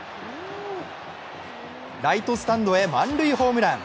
ライトスタンドへ満塁ホームラン。